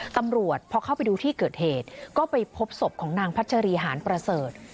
ตำรวจพอเข้าไปดูที่เกิดเหตุก็ไปพบศพของนางพัชรีหารประเสริฐ